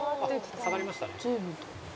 下がりましたね。